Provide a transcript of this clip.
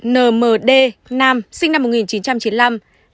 một nmd nam sinh năm một nghìn chín trăm chín mươi năm